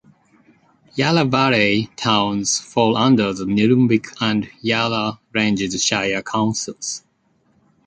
Yarra Valley towns fall under the Nillumbik and Yarra Ranges Shire Councils.